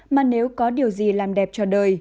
mà nếu có điều gì làm đẹp cho đời